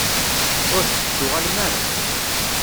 Ur d-tettuɣalem ara.